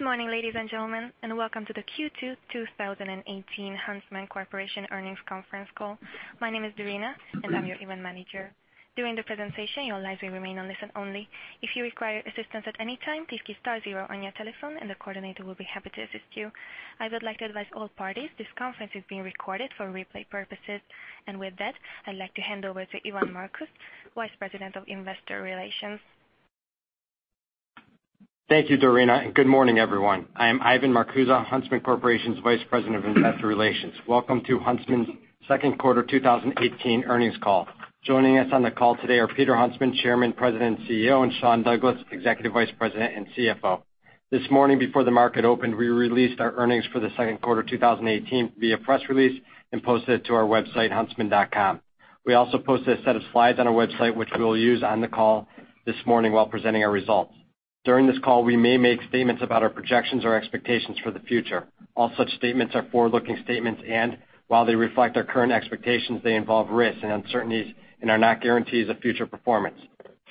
Good morning, ladies and gentlemen, and welcome to the Q2 2018 Huntsman Corporation earnings conference call. My name is Dorina, and I'm your Event Manager. During the presentation, your lines will remain on listen only. If you require assistance at any time, please key star zero on your telephone and the coordinator will be happy to assist you. I would like to advise all parties this conference is being recorded for replay purposes. With that, I'd like to hand over to Ivan Marcuse, Vice President of Investor Relations. Thank you, Dorina. Good morning, everyone. I am Ivan Marcuse, Huntsman Corporation's Vice President of Investor Relations. Welcome to Huntsman's second quarter 2018 earnings call. Joining us on the call today are Peter Huntsman, Chairman, President, and CEO; and Sean Douglas, Executive Vice President and CFO. This morning before the market opened, we released our earnings for the second quarter 2018 via press release and posted it to our website, huntsman.com. We also posted a set of slides on our website, which we'll use on the call this morning while presenting our results. During this call, we may make statements about our projections or expectations for the future. All such statements are forward-looking statements, while they reflect our current expectations, they involve risks and uncertainties and are not guarantees of future performance.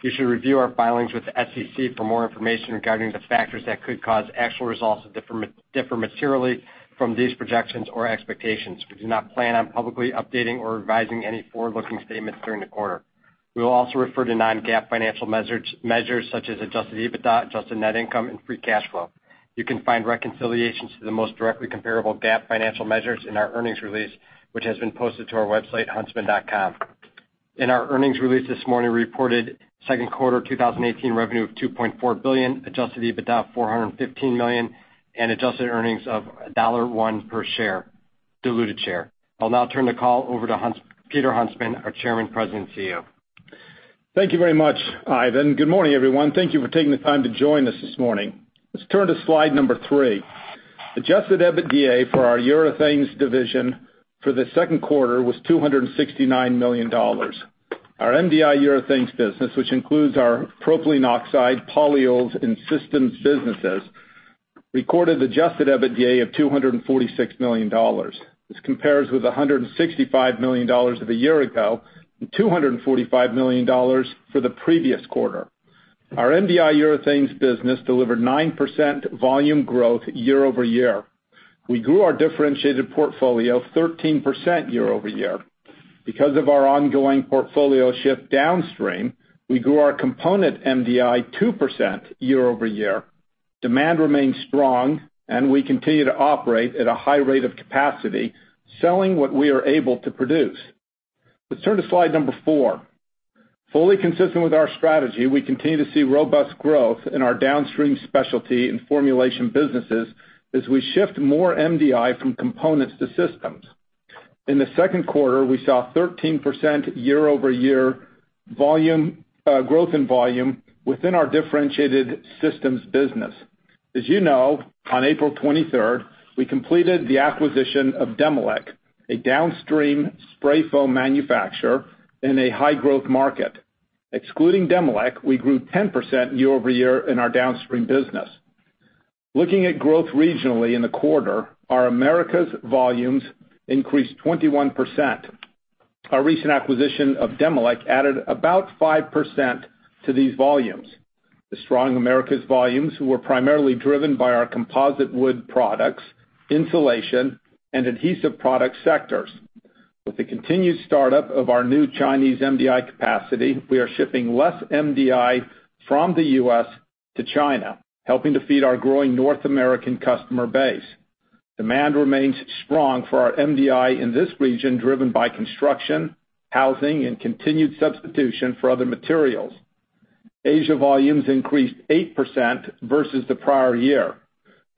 You should review our filings with the SEC for more information regarding the factors that could cause actual results to differ materially from these projections or expectations. We do not plan on publicly updating or revising any forward-looking statements during the quarter. We will also refer to non-GAAP financial measures such as adjusted EBITDA, adjusted net income, and free cash flow. You can find reconciliations to the most directly comparable GAAP financial measures in our earnings release, which has been posted to our website, huntsman.com. In our earnings release this morning, we reported second quarter 2018 revenue of $2.4 billion, adjusted EBITDA of $415 million, and adjusted earnings of $1.01 per share, diluted share. I'll now turn the call over to Peter Huntsman, our Chairman, President, and CEO. Thank you very much, Ivan. Good morning, everyone. Thank you for taking the time to join us this morning. Let's turn to slide number three. Adjusted EBITDA for our urethanes division for the second quarter was $269 million. Our MDI urethanes business, which includes our propylene oxide, polyols, and systems businesses, recorded adjusted EBITDA of $246 million. This compares with $165 million of a year ago and $245 million for the previous quarter. Our MDI urethanes business delivered 9% volume growth year-over-year. We grew our differentiated portfolio 13% year-over-year. Because of our ongoing portfolio shift downstream, we grew our component MDI 2% year-over-year. Demand remains strong. We continue to operate at a high rate of capacity, selling what we are able to produce. Let's turn to slide number four. Fully consistent with our strategy, we continue to see robust growth in our downstream specialty and formulation businesses as we shift more MDI from components to systems. In the second quarter, we saw 13% year-over-year growth in volume within our differentiated systems business. As you know, on April 23rd, we completed the acquisition of Demilec, a downstream spray foam manufacturer in a high-growth market. Excluding Demilec, we grew 10% year-over-year in our downstream business. Looking at growth regionally in the quarter, our Americas volumes increased 21%. Our recent acquisition of Demilec added about 5% to these volumes. The strong Americas volumes were primarily driven by our composite wood products, insulation, and adhesive product sectors. With the continued startup of our new Chinese MDI capacity, we are shipping less MDI from the U.S. to China, helping to feed our growing North American customer base. Demand remains strong for our MDI in this region, driven by construction, housing, and continued substitution for other materials. Asia volumes increased 8% versus the prior year.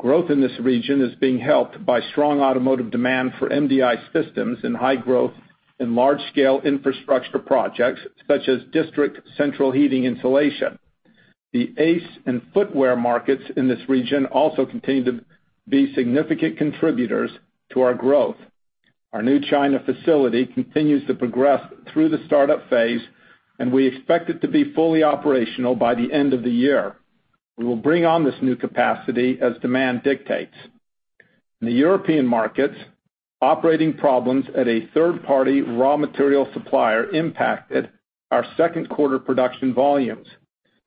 Growth in this region is being helped by strong automotive demand for MDI systems and high growth in large-scale infrastructure projects, such as district central heating insulation. The ACE and footwear markets in this region also continue to be significant contributors to our growth. Our new China facility continues to progress through the startup phase, and we expect it to be fully operational by the end of the year. We will bring on this new capacity as demand dictates. In the European markets, operating problems at a third-party raw material supplier impacted our second quarter production volumes.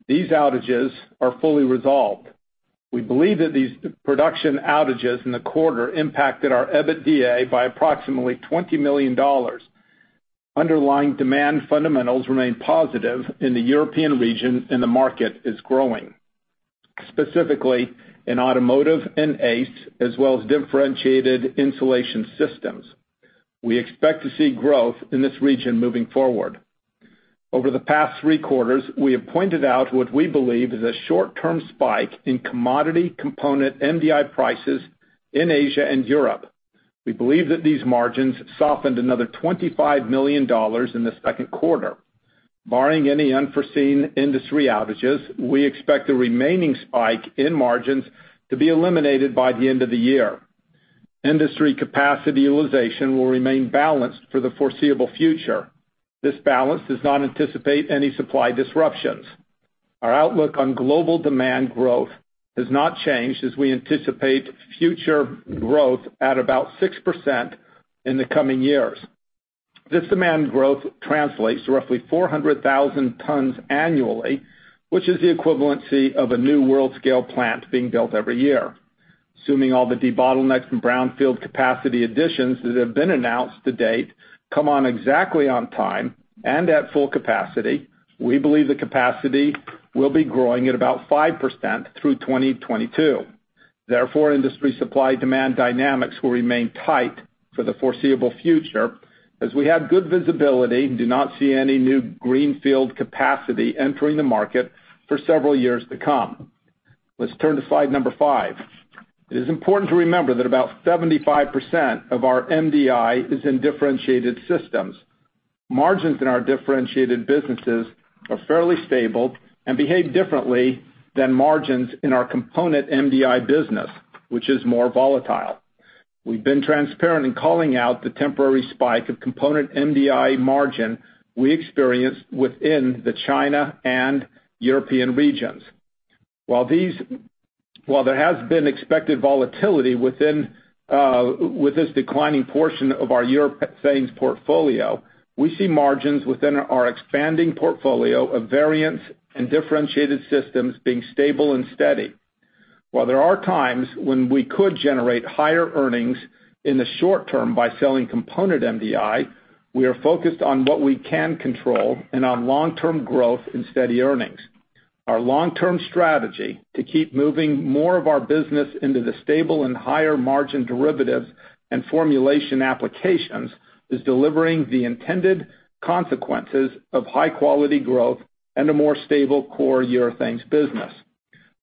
These outages are fully resolved. We believe that these production outages in the quarter impacted our EBITDA by approximately $20 million. Underlying demand fundamentals remain positive in the European region, and the market is growing, specifically in automotive and ACE, as well as differentiated insulation systems. We expect to see growth in this region moving forward. Over the past three quarters, we have pointed out what we believe is a short-term spike in commodity component MDI prices in Asia and Europe. We believe that these margins softened another $25 million in the second quarter. Barring any unforeseen industry outages, we expect the remaining spike in margins to be eliminated by the end of the year. Industry capacity utilization will remain balanced for the foreseeable future. This balance does not anticipate any supply disruptions. Our outlook on global demand growth has not changed as we anticipate future growth at about 6% in the coming years. This demand growth translates to roughly 400,000 tons annually, which is the equivalency of a new world scale plant being built every year. Assuming all the debottlenecks from brownfield capacity additions that have been announced to date come on exactly on time and at full capacity, we believe the capacity will be growing at about 5% through 2022. Industry supply-demand dynamics will remain tight for the foreseeable future, as we have good visibility and do not see any new greenfield capacity entering the market for several years to come. Let's turn to slide number five. It is important to remember that about 75% of our MDI is in differentiated systems. Margins in our differentiated businesses are fairly stable and behave differently than margins in our component MDI business, which is more volatile. We've been transparent in calling out the temporary spike of component MDI margin we experienced within the China and European regions. While there has been expected volatility with this declining portion of our urethanes portfolio, we see margins within our expanding portfolio of variants and differentiated systems being stable and steady. While there are times when we could generate higher earnings in the short term by selling component MDI, we are focused on what we can control and on long-term growth and steady earnings. Our long-term strategy to keep moving more of our business into the stable and higher margin derivatives and formulation applications is delivering the intended consequences of high-quality growth and a more stable core urethanes business.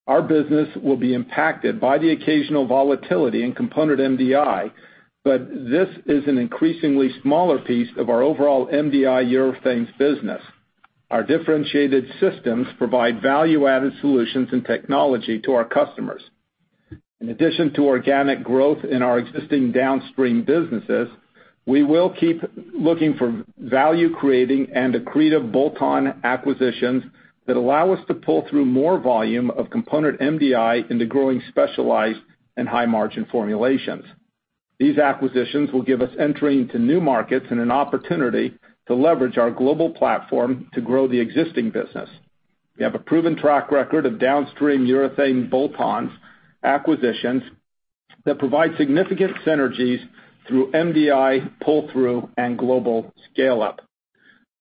Our business will be impacted by the occasional volatility in component MDI, but this is an increasingly smaller piece of our overall MDI urethanes business. Our differentiated systems provide value-added solutions and technology to our customers. In addition to organic growth in our existing downstream businesses, we will keep looking for value creating and accretive bolt-on acquisitions that allow us to pull through more volume of component MDI into growing specialized and high-margin formulations. These acquisitions will give us entry into new markets and an opportunity to leverage our global platform to grow the existing business. We have a proven track record of downstream urethane bolt-ons acquisitions that provide significant synergies through MDI pull-through and global scale-up.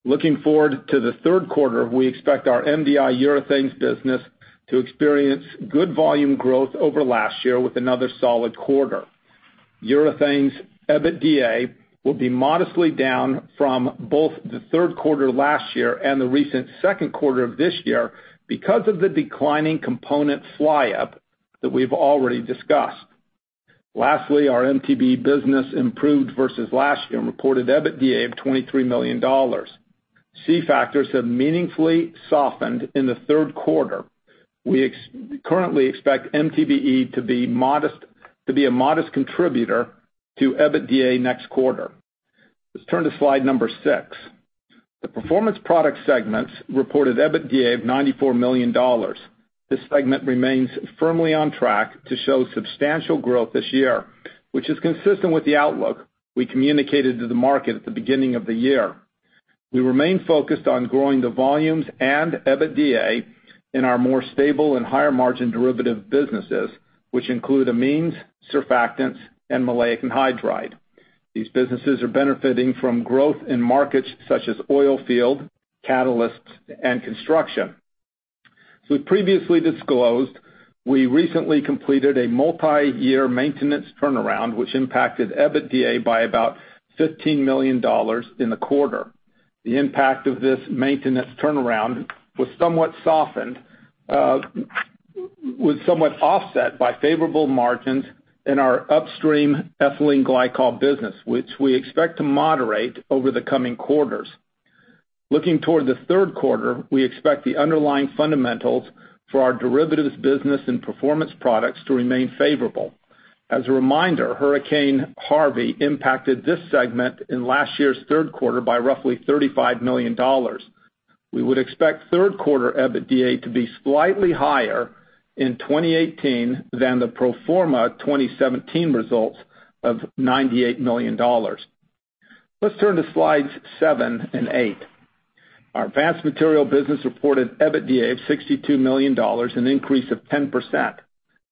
Looking forward to the third quarter, we expect our MDI urethanes business to experience good volume growth over last year with another solid quarter. Urethanes EBITDA will be modestly down from both the third quarter last year and the recent second quarter of this year because of the declining component fly up that we've already discussed. Lastly, our MTBE business improved versus last year and reported EBITDA of $23 million. C factors have meaningfully softened in the third quarter. We currently expect MTBE to be a modest contributor to EBITDA next quarter. Let's turn to slide number six. The Performance Products segment reported EBITDA of $94 million. This segment remains firmly on track to show substantial growth this year, which is consistent with the outlook we communicated to the market at the beginning of the year. We remain focused on growing the volumes and EBITDA in our more stable and higher margin derivative businesses, which include amines, surfactants, and maleic anhydride. These businesses are benefiting from growth in markets such as oil field, catalysts, and construction. As we previously disclosed, we recently completed a multi-year maintenance turnaround, which impacted EBITDA by about $15 million in the quarter. The impact of this maintenance turnaround was somewhat offset by favorable margins in our upstream ethylene glycol business, which we expect to moderate over the coming quarters. Looking toward the third quarter, we expect the underlying fundamentals for our derivatives business and Performance Products to remain favorable. As a reminder, Hurricane Harvey impacted this segment in last year's third quarter by roughly $35 million. We would expect third quarter EBITDA to be slightly higher in 2018 than the pro forma 2017 results of $98 million. Let's turn to slides seven and eight. Our Advanced Materials business reported EBITDA of $62 million, an increase of 10%.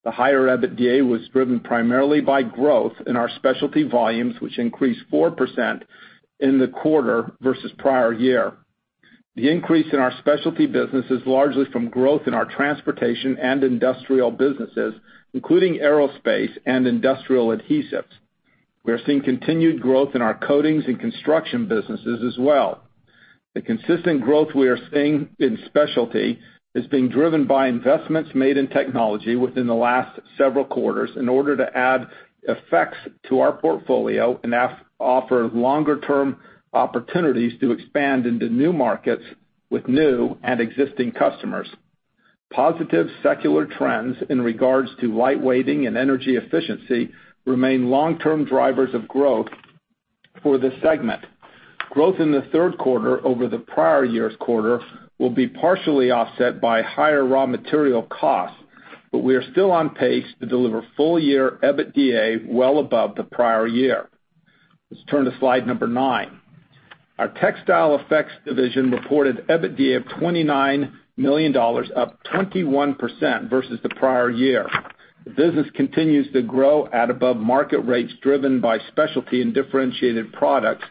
The higher EBITDA was driven primarily by growth in our specialty volumes, which increased 4% in the quarter versus prior year. The increase in our specialty business is largely from growth in our transportation and industrial businesses, including aerospace and industrial adhesives. We are seeing continued growth in our coatings and construction businesses as well. The consistent growth we are seeing in specialty is being driven by investments made in technology within the last several quarters in order to add effects to our portfolio and offer longer-term opportunities to expand into new markets with new and existing customers. Positive secular trends in regards to lightweighting and energy efficiency remain long-term drivers of growth for the segment. Growth in the third quarter over the prior year's quarter will be partially offset by higher raw material costs. We are still on pace to deliver full-year EBITDA well above the prior year. Let's turn to slide nine. Our Textile Effects division reported EBITDA of $29 million, up 21% versus the prior year. The business continues to grow at above market rates, driven by specialty and differentiated products,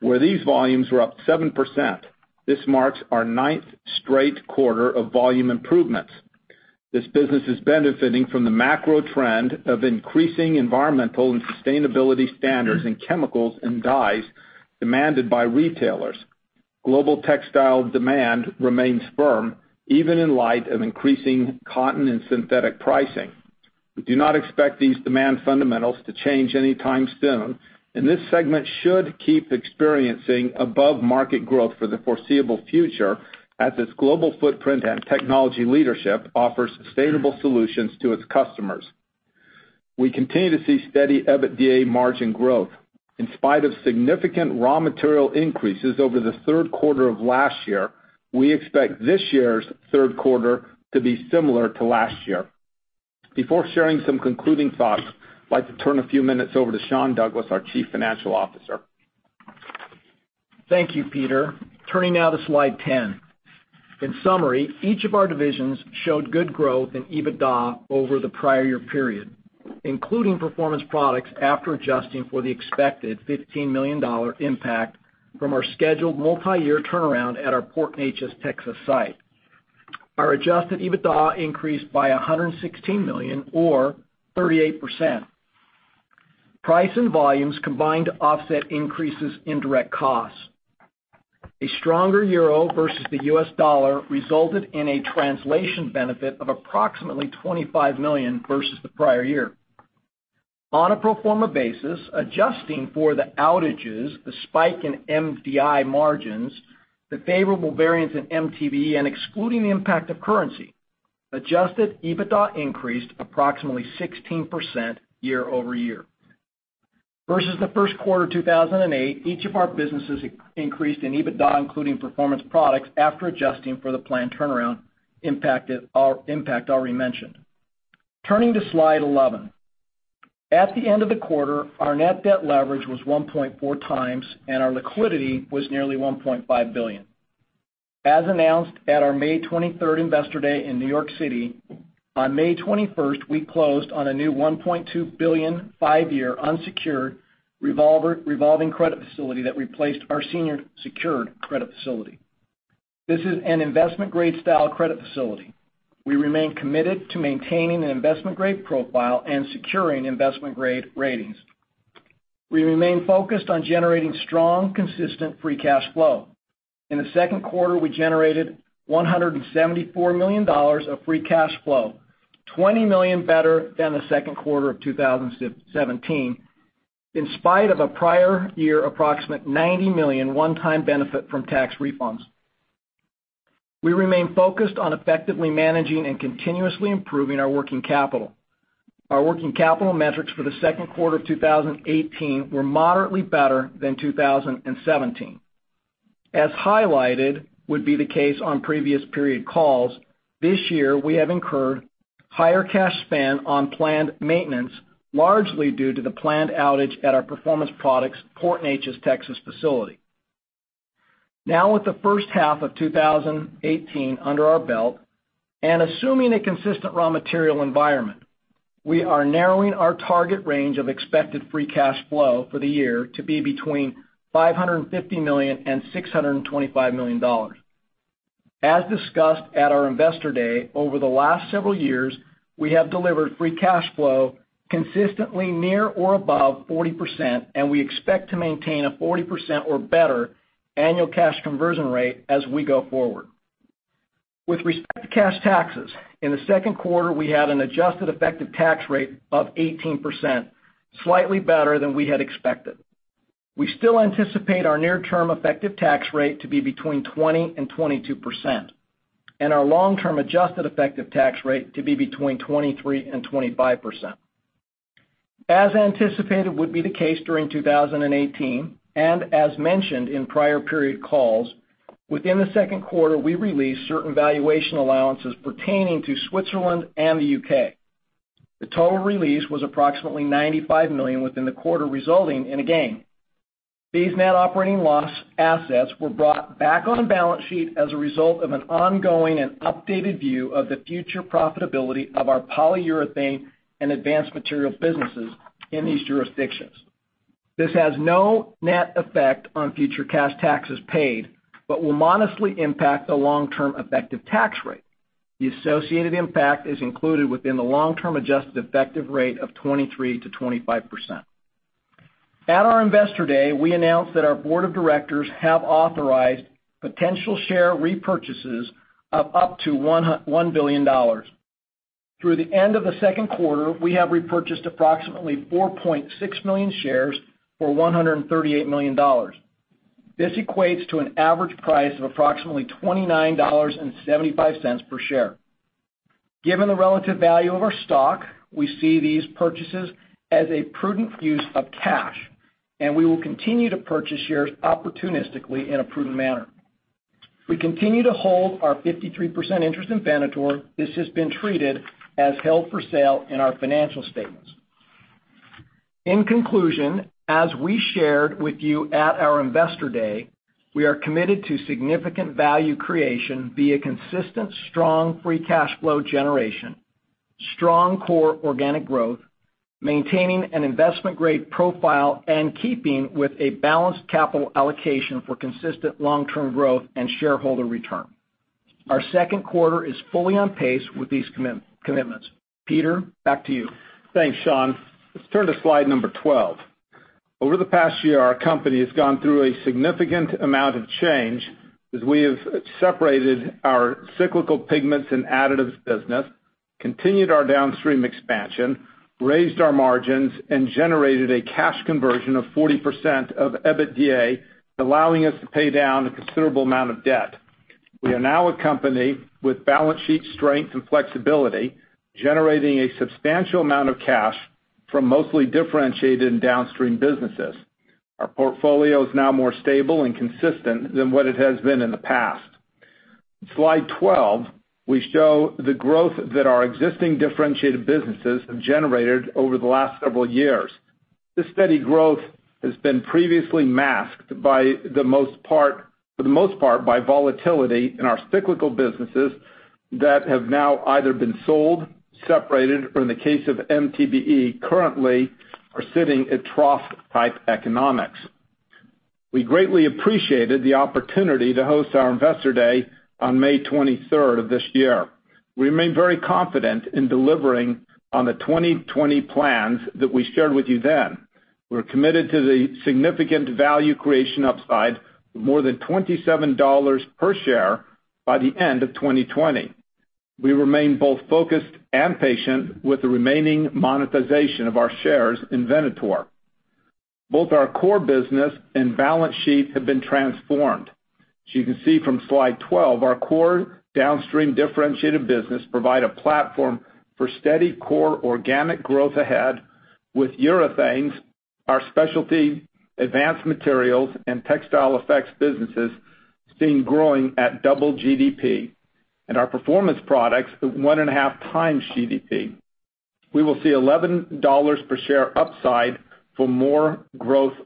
where these volumes were up 7%. This marks our ninth straight quarter of volume improvements. This business is benefiting from the macro trend of increasing environmental and sustainability standards in chemicals and dyes demanded by retailers. Global textile demand remains firm, even in light of increasing cotton and synthetic pricing. We do not expect these demand fundamentals to change anytime soon, and this segment should keep experiencing above-market growth for the foreseeable future, as its global footprint and technology leadership offers sustainable solutions to its customers. We continue to see steady EBITDA margin growth. In spite of significant raw material increases over the third quarter of last year, we expect this year's third quarter to be similar to last year. Before sharing some concluding thoughts, I'd like to turn a few minutes over to Sean Douglas, our Chief Financial Officer. Thank you, Peter. Turning now to slide 10. In summary, each of our divisions showed good growth in EBITDA over the prior year period, including Performance Products after adjusting for the expected $15 million impact from our scheduled multi-year turnaround at our Port Neches, Texas site. Our adjusted EBITDA increased by $116 million or 38%. Price and volumes combined to offset increases in direct costs. A stronger EUR versus the U.S. dollar resulted in a translation benefit of approximately $25 million versus the prior year. On a pro forma basis, adjusting for the outages, the spike in MDI margins, the favorable variance in MTBE, and excluding the impact of currency, adjusted EBITDA increased approximately 16% year-over-year. Versus the first quarter 2018, each of our businesses increased in EBITDA, including Performance Products, after adjusting for the planned turnaround impact already mentioned. Turning to slide 11. At the end of the quarter, our net debt leverage was 1.4 times, and our liquidity was nearly $1.5 billion. As announced at our May 23rd Investor Day in New York City, on May 21st, we closed on a new $1.2 billion, five-year unsecured revolving credit facility that replaced our senior secured credit facility. This is an investment-grade style credit facility. We remain committed to maintaining an investment-grade profile and securing investment-grade ratings. We remain focused on generating strong, consistent free cash flow. In the second quarter, we generated $174 million of free cash flow, $20 million better than the second quarter of 2017. In spite of a prior year approximate $90 million one-time benefit from tax refunds. We remain focused on effectively managing and continuously improving our working capital. Our working capital metrics for the second quarter of 2018 were moderately better than 2017. As highlighted would be the case on previous period calls, this year, we have incurred higher cash spend on planned maintenance, largely due to the planned outage at our Performance Products Port Neches, Texas facility. With the first half of 2018 under our belt, and assuming a consistent raw material environment, we are narrowing our target range of expected free cash flow for the year to be between $550 million and $625 million. As discussed at our Investor Day, over the last several years, we have delivered free cash flow consistently near or above 40%, and we expect to maintain a 40% or better annual cash conversion rate as we go forward. With respect to cash taxes, in the second quarter, we had an adjusted effective tax rate of 18%, slightly better than we had expected. We still anticipate our near-term effective tax rate to be between 20% and 22%, and our long-term adjusted effective tax rate to be between 23% and 25%. As anticipated would be the case during 2018, and as mentioned in prior period calls, within the second quarter, we released certain valuation allowances pertaining to Switzerland and the U.K. The total release was approximately $95 million within the quarter, resulting in a gain. These net operating loss assets were brought back on the balance sheet as a result of an ongoing and updated view of the future profitability of our polyurethane and Advanced Materials businesses in these jurisdictions. This has no net effect on future cash taxes paid, but will modestly impact the long-term effective tax rate. The associated impact is included within the long-term adjusted effective rate of 23% to 25%. At our Investor Day, we announced that our board of directors have authorized potential share repurchases of up to $1 billion. Through the end of the second quarter, we have repurchased approximately 4.6 million shares for $138 million. This equates to an average price of approximately $29.75 per share. Given the relative value of our stock, we see these purchases as a prudent use of cash, and we will continue to purchase shares opportunistically in a prudent manner. We continue to hold our 53% interest in Venator. This has been treated as held for sale in our financial statements. In conclusion, as we shared with you at our Investor Day, we are committed to significant value creation via consistent strong free cash flow generation, strong core organic growth, maintaining an investment-grade profile, and keeping with a balanced capital allocation for consistent long-term growth and shareholder return. Our second quarter is fully on pace with these commitments. Peter, back to you. Thanks, Sean. Let's turn to slide 12. Over the past year, our company has gone through a significant amount of change as we have separated our cyclical pigments and additives business, continued our downstream expansion, raised our margins, and generated a cash conversion of 40% of EBITDA, allowing us to pay down a considerable amount of debt. We are now a company with balance sheet strength and flexibility, generating a substantial amount of cash from mostly differentiated and downstream businesses. Our portfolio is now more stable and consistent than what it has been in the past. Slide 12, we show the growth that our existing differentiated businesses have generated over the last several years. This steady growth has been previously masked for the most part by volatility in our cyclical businesses that have now either been sold, separated, or in the case of MTBE, currently are sitting at trough-type economics. We greatly appreciated the opportunity to host our Investor Day on May 23rd of this year. We remain very confident in delivering on the 2020 plans that we shared with you then. We're committed to the significant value creation upside of more than $27 per share by the end of 2020. We remain both focused and patient with the remaining monetization of our shares in Venator. Both our core business and balance sheet have been transformed. As you can see from slide 12, our core downstream differentiated business provide a platform for steady core organic growth ahead with urethanes, our specialty Advanced Materials, and Textile Effects businesses seeing growing at double GDP. Our Performance Products at one and a half times GDP. We will see $11 per share upside from this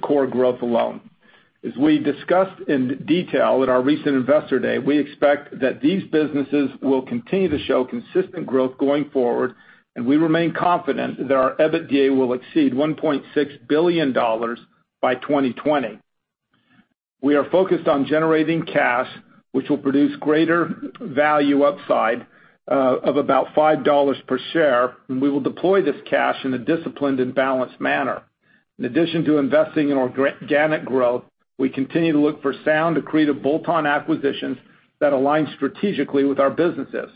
core growth alone. As we discussed in detail at our recent Investor Day, we expect that these businesses will continue to show consistent growth going forward. We remain confident that our EBITDA will exceed $1.6 billion by 2020. We are focused on generating cash, which will produce greater value upside of about $5 per share. We will deploy this cash in a disciplined and balanced manner. In addition to investing in organic growth, we continue to look for sound accretive bolt-on acquisitions that align strategically with our businesses.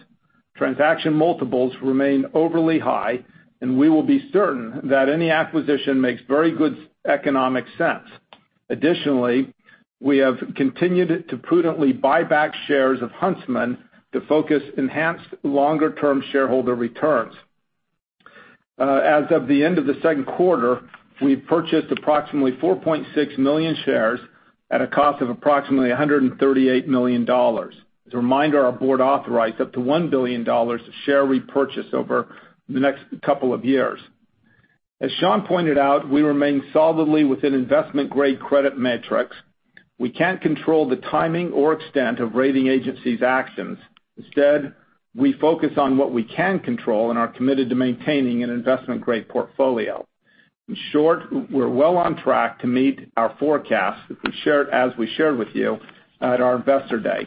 Transaction multiples remain overly high. We will be certain that any acquisition makes very good economic sense. Additionally, we have continued to prudently buy back shares of Huntsman to focus enhanced longer-term shareholder returns. As of the end of the second quarter, we've purchased approximately 4.6 million shares at a cost of approximately $138 million. As a reminder, our board authorized up to $1 billion of share repurchase over the next couple of years. As Sean pointed out, we remain solidly within investment-grade credit metrics. We can't control the timing or extent of rating agencies' actions. Instead, we focus on what we can control and are committed to maintaining an investment-grade portfolio. In short, we're well on track to meet our forecasts as we shared with you at our Investor Day.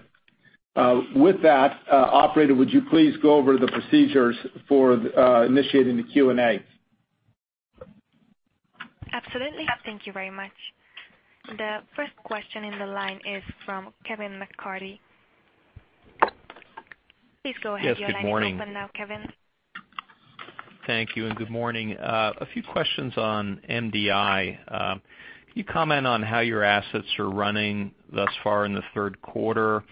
With that, operator, would you please go over the procedures for initiating the Q&A? Absolutely. Thank you very much. The first question in the line is from Kevin McCarthy. Please go ahead. Your line is open now, Kevin. Yes. Good morning. Thank you, and good morning. A few questions on MDI. Can you comment on how your assets are running thus far in the third quarter,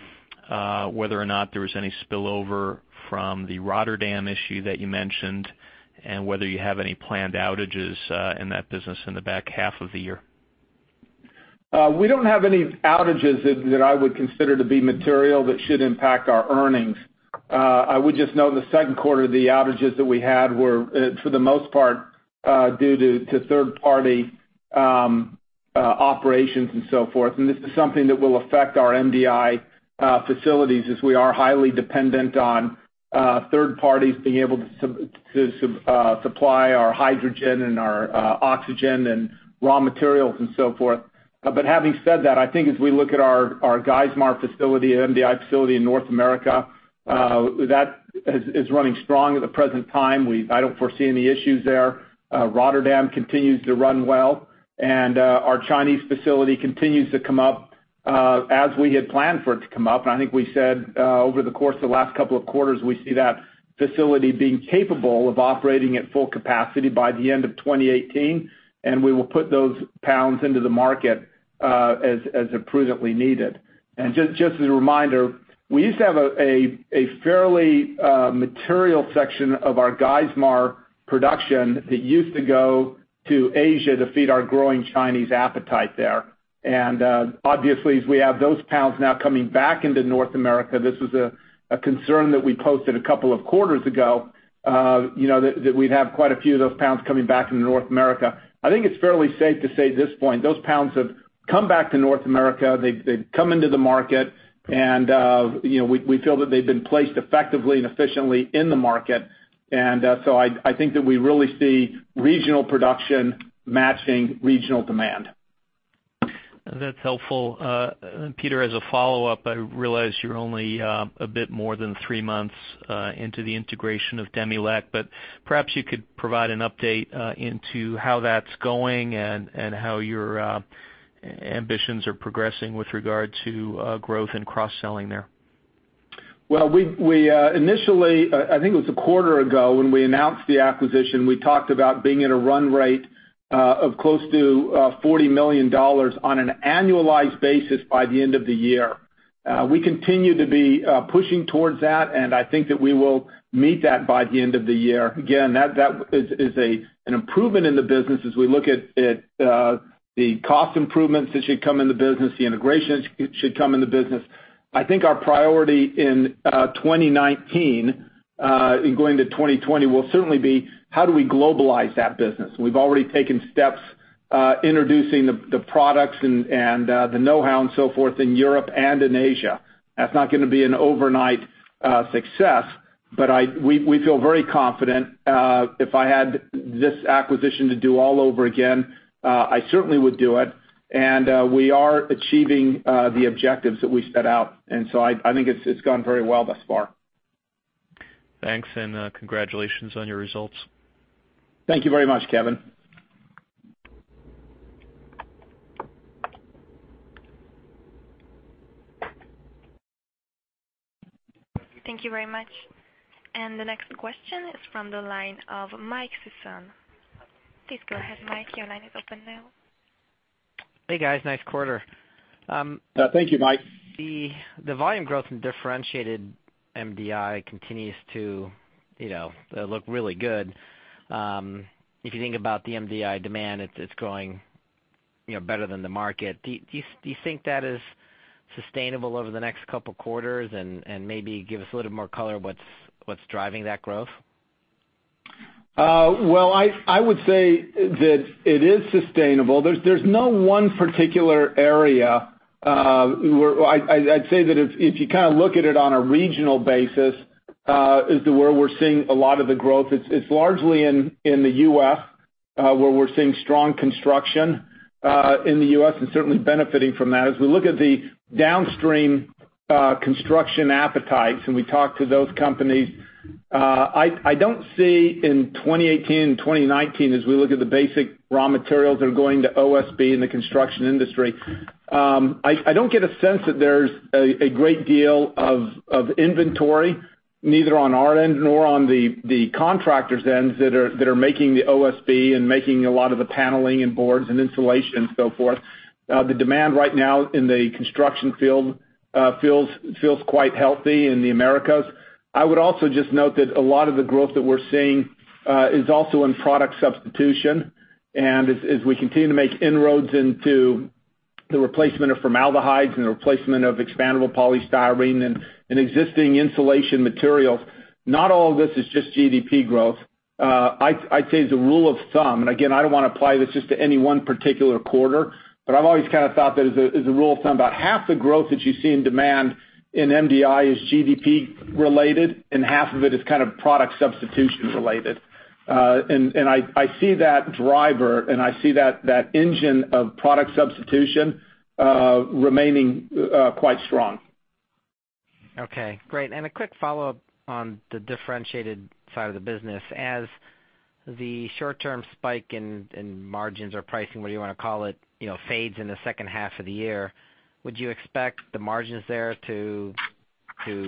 whether or not there was any spillover from the Rotterdam issue that you mentioned, and whether you have any planned outages in that business in the back half of the year? We don't have any outages that I would consider to be material that should impact our earnings. I would just note in the second quarter, the outages that we had were, for the most part, due to third-party operations and so forth, this is something that will affect our MDI facilities as we are highly dependent on third parties being able to supply our hydrogen and our oxygen and raw materials and so forth. Having said that, I think as we look at our Geismar facility and MDI facility in North America, that is running strong at the present time. I don't foresee any issues there. Rotterdam continues to run well, and our Chinese facility continues to come up as we had planned for it to come up. I think we said over the course of the last couple of quarters, we see that facility being capable of operating at full capacity by the end of 2018, and we will put those pounds into the market as are prudently needed. Just as a reminder, we used to have a fairly material section of our Geismar Production that used to go to Asia to feed our growing Chinese appetite there. Obviously, as we have those pounds now coming back into North America, this was a concern that we posted a couple of quarters ago, that we'd have quite a few of those pounds coming back from North America. I think it's fairly safe to say at this point, those pounds have come back to North America. They've come into the market, and we feel that they've been placed effectively and efficiently in the market. I think that we really see regional production matching regional demand. That's helpful. Peter, as a follow-up, I realize you're only a bit more than three months into the integration of Demilec, but perhaps you could provide an update into how that's going and how your ambitions are progressing with regard to growth and cross-selling there. Well, we initially, I think it was a quarter ago when we announced the acquisition, we talked about being at a run rate of close to $40 million on an annualized basis by the end of the year. We continue to be pushing towards that, I think that we will meet that by the end of the year. Again, that is an improvement in the business as we look at the cost improvements that should come in the business, the integration that should come in the business. I think our priority in 2019, and going to 2020, will certainly be how do we globalize that business? We've already taken steps introducing the products and the knowhow and so forth in Europe and in Asia. That's not gonna be an overnight success, but we feel very confident. If I had this acquisition to do all over again, I certainly would do it. We are achieving the objectives that we set out, I think it's gone very well thus far. Thanks. Congratulations on your results. Thank you very much, Kevin. Thank you very much. The next question is from the line of Michael Sison. Please go ahead, Mike. Your line is open now. Hey, guys. Nice quarter. Thank you, Mike. The volume growth in differentiated MDI continues to look really good. If you think about the MDI demand, it's growing better than the market. Do you think that is sustainable over the next couple of quarters? Maybe give us a little more color what's driving that growth? Well, I would say that it is sustainable. There's no one particular area. I'd say that if you look at it on a regional basis, is where we're seeing a lot of the growth. It's largely in the U.S., where we're seeing strong construction in the U.S. and certainly benefiting from that. As we look at the downstream construction appetites and we talk to those companies, I don't see in 2018 and 2019, as we look at the basic raw materials that are going to OSB and the construction industry, I don't get a sense that there's a great deal of inventory, neither on our end nor on the contractors' ends, that are making the OSB and making a lot of the paneling and boards and insulation and so forth. The demand right now in the construction field feels quite healthy in the Americas. I would also just note that a lot of the growth that we're seeing is also in product substitution. As we continue to make inroads into the replacement of formaldehyde and the replacement of expandable polystyrene and existing insulation materials, not all of this is just GDP growth. I'd say as a rule of thumb, and again, I don't want to apply this just to any one particular quarter, but I've always kind of thought that as a rule of thumb, about half the growth that you see in demand in MDI is GDP related, and half of it is kind of product substitution related. I see that driver, and I see that engine of product substitution remaining quite strong. Great. A quick follow-up on the differentiated side of the business. As the short-term spike in margins or pricing, whatever you want to call it, fades in the second half of the year, would you expect the margins there to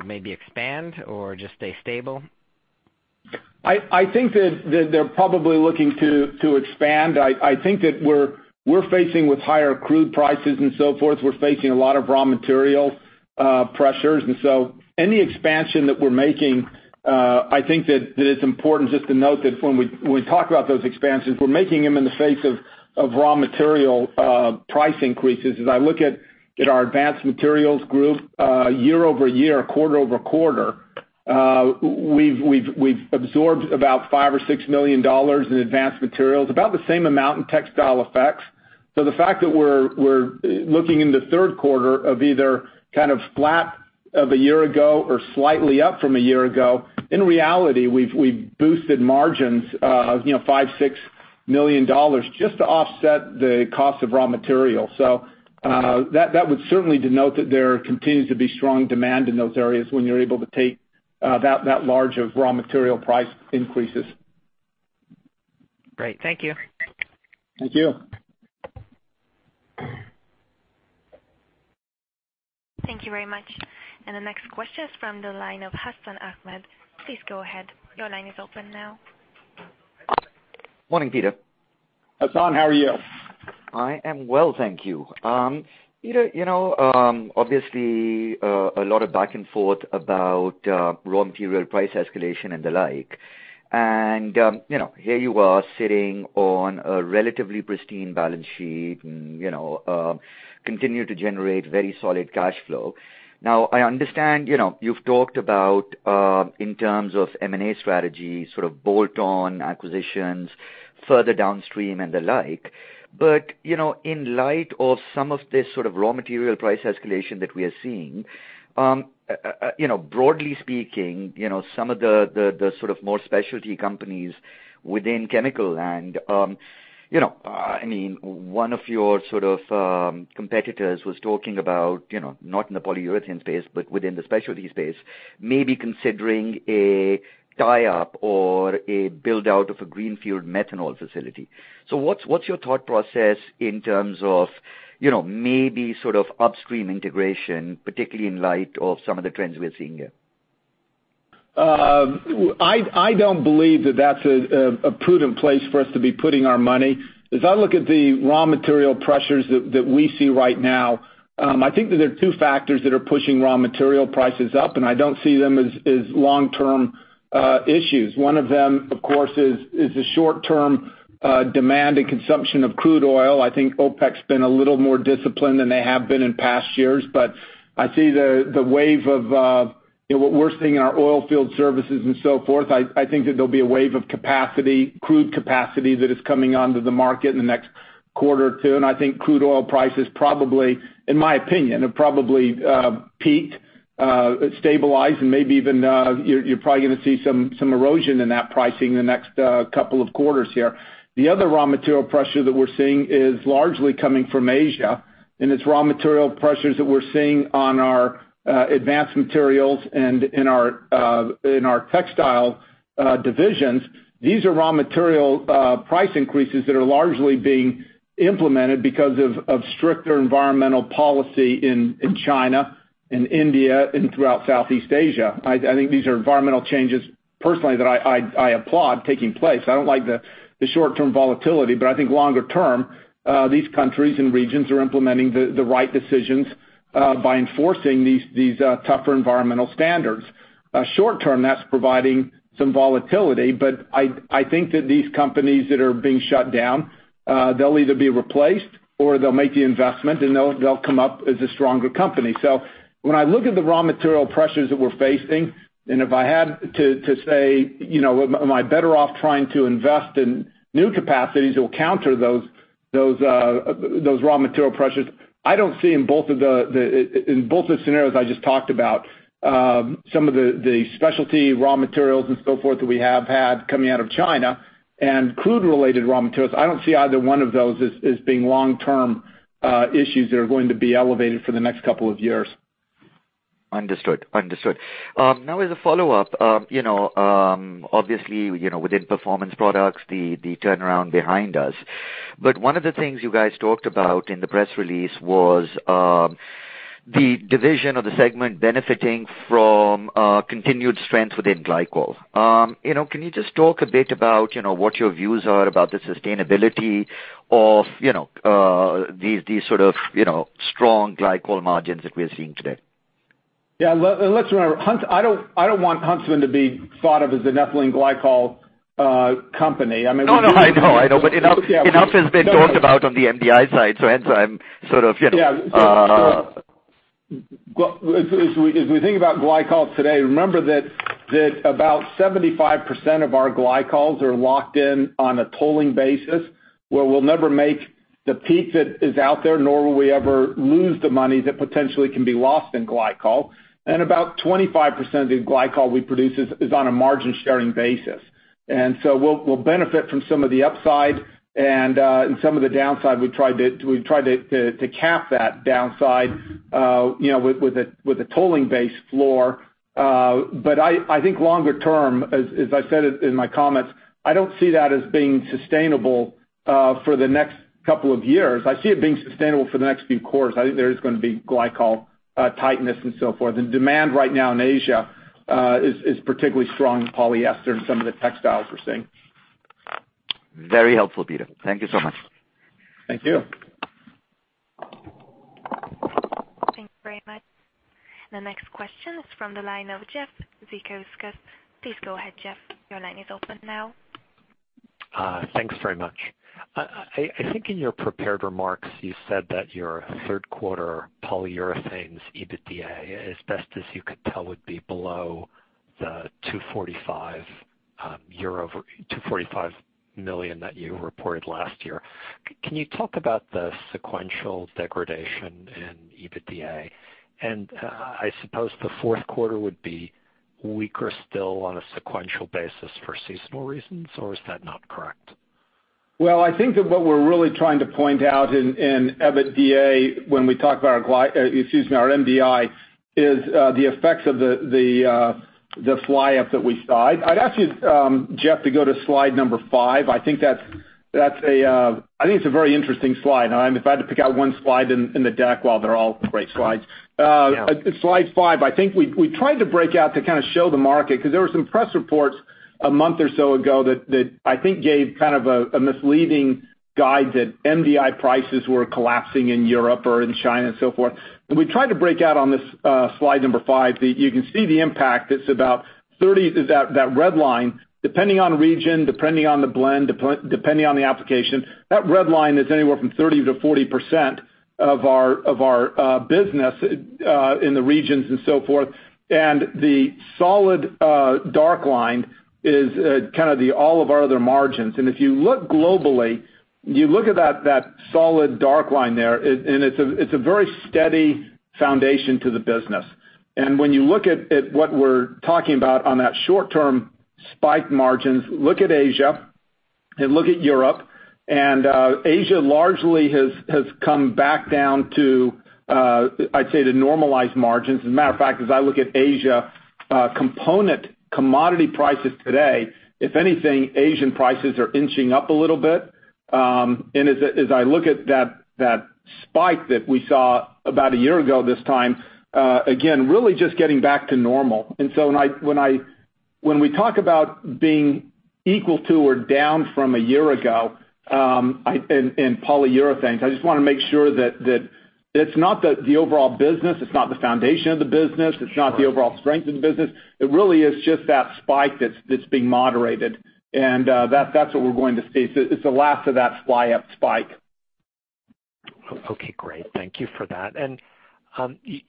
maybe expand or just stay stable? I think that they're probably looking to expand. I think that we're facing with higher crude prices and so forth, we're facing a lot of raw material pressures. Any expansion that we're making, I think that it's important just to note that when we talk about those expansions, we're making them in the face of raw material price increases. As I look at our Advanced Materials group, year-over-year, quarter-over-quarter, we've absorbed about $5 million or $6 million in Advanced Materials, about the same amount in Textile Effects. The fact that we're looking in the third quarter of either kind of flat of a year ago or slightly up from a year ago, in reality, we've boosted margins $5 million, $6 million just to offset the cost of raw materials. That would certainly denote that there continues to be strong demand in those areas when you're able to take that large of raw material price increases. Great. Thank you. Thank you. Thank you very much. The next question is from the line of Hassan Ahmed. Please go ahead. Your line is open now. Morning, Peter. Hassan, how are you? I am well, thank you. Peter, obviously, a lot of back and forth about raw material price escalation and the like. Here you are sitting on a relatively pristine balance sheet and continue to generate very solid cash flow. I understand, you've talked about, in terms of M&A strategy, sort of bolt-on acquisitions further downstream and the like. In light of some of this sort of raw material price escalation that we are seeing, broadly speaking, some of the sort of more specialty companies within chemical and One of your sort of competitors was talking about, not in the polyurethane space, but within the specialty space, maybe considering a tie-up or a build-out of a greenfield methanol facility. What's your thought process in terms of maybe sort of upstream integration, particularly in light of some of the trends we are seeing here? I don't believe that that's a prudent place for us to be putting our money. As I look at the raw material pressures that we see right now, I think that there are two factors that are pushing raw material prices up, and I don't see them as long-term issues. One of them, of course, is the short-term demand and consumption of crude oil. I think OPEC's been a little more disciplined than they have been in past years, but I see the wave of what we're seeing in our oil field services and so forth, I think that there'll be a wave of capacity, crude capacity, that is coming onto the market in the next quarter or two. I think crude oil prices probably, in my opinion, have probably peaked, stabilized, and maybe even you're probably gonna see some erosion in that pricing in the next couple of quarters here. The other raw material pressure that we're seeing is largely coming from Asia, and it's raw material pressures that we're seeing on our Advanced Materials and in our Textile Effects. These are raw material price increases that are largely being implemented because of stricter environmental policy in China and India and throughout Southeast Asia. I think these are environmental changes, personally, that I applaud taking place. I don't like the short-term volatility, longer term, these countries and regions are implementing the right decisions by enforcing these tougher environmental standards. Short term, that's providing some volatility, I think that these companies that are being shut down, they'll either be replaced or they'll make the investment, and they'll come up as a stronger company. When I look at the raw material pressures that we're facing, and if I had to say, am I better off trying to invest in new capacities that will counter those raw material pressures? I don't see in both the scenarios I just talked about, some of the specialty raw materials and so forth that we have had coming out of China and crude-related raw materials, I don't see either one of those as being long-term issues that are going to be elevated for the next couple of years. Understood. As a follow-up, obviously, within Performance Products, the turnaround behind us. One of the things you guys talked about in the press release was the division of the segment benefiting from continued strength within glycol. Can you just talk a bit about what your views are about the sustainability of these sort of strong glycol margins that we are seeing today? Yeah. Let's remember, I don't want Huntsman to be thought of as an ethylene glycol company. No, I know. Enough has been talked about on the MDI side, so hence I'm sort of, you know. Yeah. As we think about glycols today, remember that about 75% of our glycols are locked in on a tolling basis, where we'll never make the peak that is out there, nor will we ever lose the money that potentially can be lost in glycol. About 25% of the glycol we produce is on a margin-sharing basis. So we'll benefit from some of the upside and some of the downside, we've tried to cap that downside with a tolling base floor. I think longer term, as I said in my comments, I don't see that as being sustainable for the next couple of years. I see it being sustainable for the next few quarters. I think there is gonna be glycol tightness and so forth. The demand right now in Asia is particularly strong in polyester and some of the textiles we're seeing. Very helpful, Peter. Thank you so much. Thank you. Thank you very much. The next question is from the line of Jeff Zekauskas. Please go ahead, Jeff. Your line is open now. Thanks very much. I think in your prepared remarks, you said that your third quarter polyurethanes EBITDA, as best as you could tell, would be below the $245 million that you reported last year. I suppose the fourth quarter would be weaker still on a sequential basis for seasonal reasons, or is that not correct? I think that what we're really trying to point out in EBITDA, when we talk about our excuse me, our MDI, is the effects of the fly up that we saw. I'd ask you, Jeff, to go to slide number five. I think it's a very interesting slide. If I had to pick out one slide in the deck, while they're all great slides. Yeah. Slide five, I think we tried to break out to kind of show the market, because there were some press reports a month or so ago that I think gave kind of a misleading guide that MDI prices were collapsing in Europe or in China and so forth. We tried to break out on this slide number five. You can see the impact. That red line, depending on the region, depending on the blend, depending on the application, that red line is anywhere from 30%-40% of our business in the regions and so forth. The solid dark line is kind of all of our other margins. If you look globally, you look at that solid dark line there, and it's a very steady foundation to the business. When you look at what we're talking about on that short-term spike margins, look at Asia and look at Europe. Asia largely has come back down to, I'd say, the normalized margins. As a matter of fact, as I look at Asia component commodity prices today, if anything, Asian prices are inching up a little bit. As I look at that spike that we saw about a year ago this time, again, really just getting back to normal. When we talk about being equal to or down from a year ago in polyurethanes, I just want to make sure that it's not the overall business, it's not the foundation of the business, it's not the overall strength of the business. It really is just that spike that's being moderated. That's what we're going to see. It's the last of that fly-up spike. Okay, great. Thank you for that.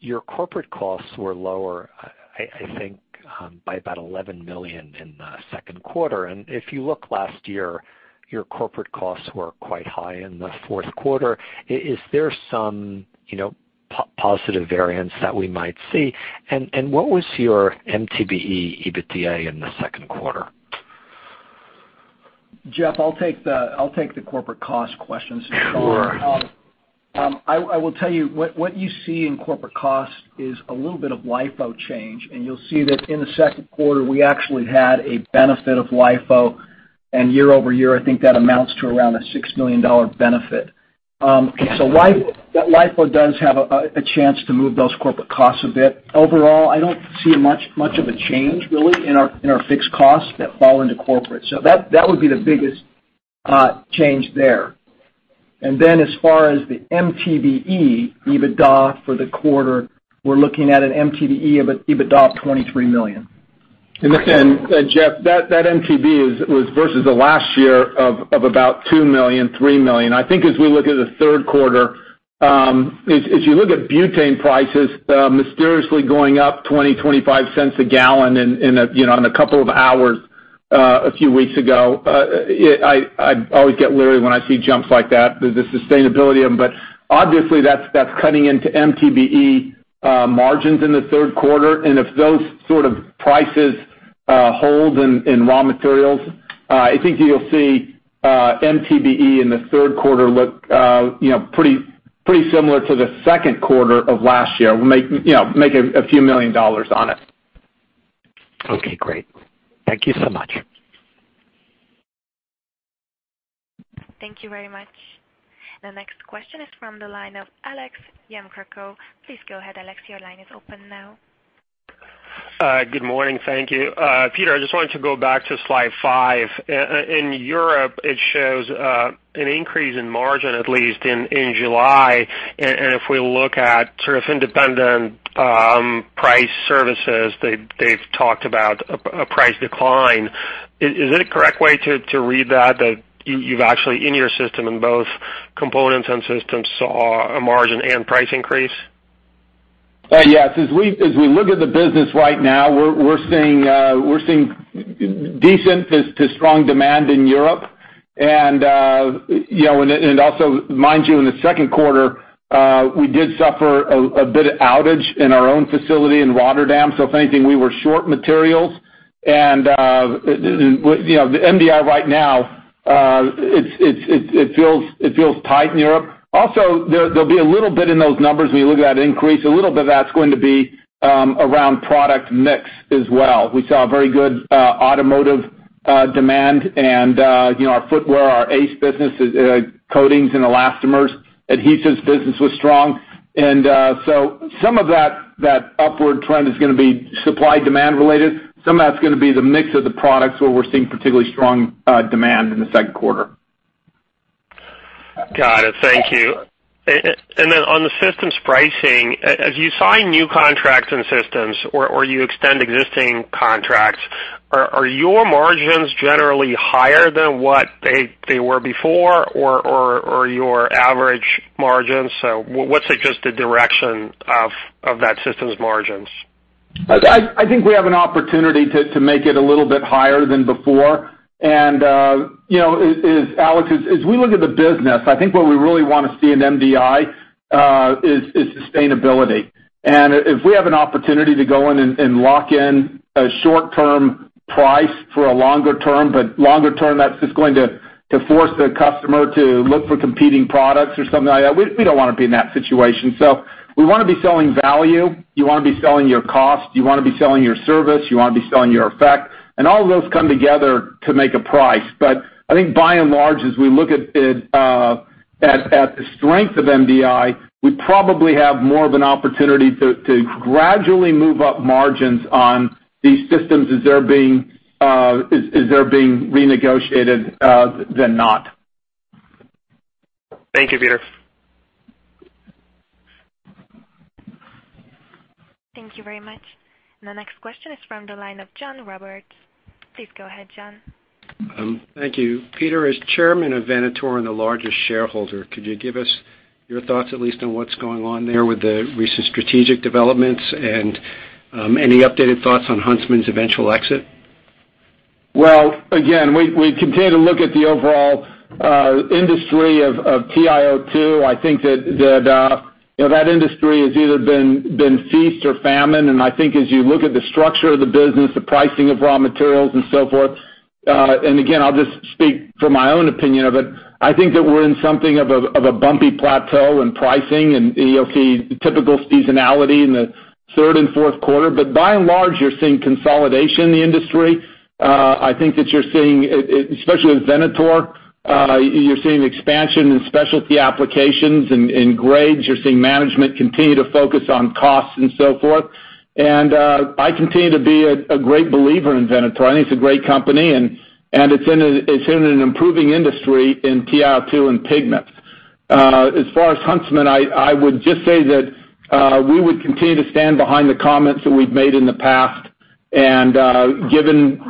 Your corporate costs were lower, I think by about $11 million in the second quarter. If you look last year, your corporate costs were quite high in the fourth quarter. Is there some positive variance that we might see? What was your MTBE EBITDA in the second quarter? Jeff, I will take the corporate cost question. Sure. I will tell you, what you see in corporate cost is a little bit of LIFO change, and you will see that in the second quarter, we actually had a benefit of LIFO. Year-over-year, I think that amounts to around a $6 million benefit. LIFO does have a chance to move those corporate costs a bit. Overall, I do not see much of a change really in our fixed costs that fall into corporate. That would be the biggest change there. As far as the MTBE EBITDA for the quarter, we are looking at an MTBE of EBITDA of $23 million. Jeff, that MTBE was versus the last year of about $2 million-$3 million. I think as we look at the third quarter, as you look at butane prices mysteriously going up $0.20-$0.25 a gallon in a couple of hours a few weeks ago, I always get leery when I see jumps like that, the sustainability of them. Obviously, that is cutting into MTBE margins in the third quarter. If those sort of prices hold in raw materials, I think you will see MTBE in the third quarter look pretty similar to the second quarter of last year. We will make a few million dollars on it. Okay, great. Thank you so much. Thank you very much. The next question is from the line of Alex Yefremov. Please go ahead, Alex, your line is open now. Good morning. Thank you. Peter, I just wanted to go back to slide five. In Europe, it shows an increase in margin, at least in July. If we look at sort of independent price services, they've talked about a price decline. Is it a correct way to read that you've actually, in your system, in both components and systems, saw a margin and price increase? Yes. As we look at the business right now, we're seeing decent to strong demand in Europe. Mind you, in the second quarter, we did suffer a bit of outage in our own facility in Rotterdam. If anything, we were short materials. The MDI right now, it feels tight in Europe. There'll be a little bit in those numbers when you look at that increase, a little bit of that's going to be around product mix as well. We saw very good automotive demand and our footwear, our ACE business, coatings and elastomers, adhesives business was strong. Some of that upward trend is going to be supply-demand related. Some of that's going to be the mix of the products where we're seeing particularly strong demand in the second quarter. Got it. Thank you. On the systems pricing, as you sign new contracts in systems or you extend existing contracts, are your margins generally higher than what they were before or your average margins? What's just the direction of that systems margins? I think we have an opportunity to make it a little bit higher than before. Alex, as we look at the business, I think what we really want to see in MDI is sustainability. If we have an opportunity to go in and lock in a short-term price for a longer term, longer term, that's just going to force the customer to look for competing products or something like that. We don't want to be in that situation. We want to be selling value. You want to be selling your cost. You want to be selling your service. You want to be selling your effect. All of those come together to make a price. I think by and large, as we look at the strength of MDI, we probably have more of an opportunity to gradually move up margins on these systems as they're being renegotiated than not. Thank you, Peter. Thank you very much. The next question is from the line of John Robert. Please go ahead, John. Thank you. Peter, as Chairman of Venator and the largest shareholder, could you give us your thoughts at least on what's going on there with the recent strategic developments and any updated thoughts on Huntsman's eventual exit? Well, again, we continue to look at the overall industry of TiO2. I think that industry has either been feast or famine. I think as you look at the structure of the business, the pricing of raw materials and so forth, again, I'll just speak from my own opinion of it, I think that we're in something of a bumpy plateau in pricing, and you'll see typical seasonality in the third and fourth quarter. By and large, you're seeing consolidation in the industry. I think that you're seeing, especially with Venator, you're seeing expansion in specialty applications, in grades. You're seeing management continue to focus on costs and so forth. I continue to be a great believer in Venator. I think it's a great company, and it's in an improving industry in TiO2 and pigments. As far as Huntsman, I would just say that we would continue to stand behind the comments that we've made in the past. Given